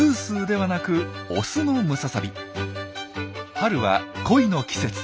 春は恋の季節。